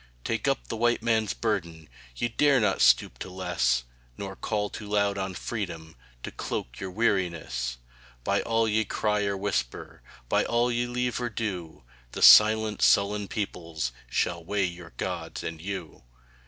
Take up the White Man's burden Ye dare not stoop to less Nor call too loud on Freedom To cloak your weariness; By all ye cry or whisper, By all ye leave or do, The silent, sullen peoples Shall weigh your Gods and you.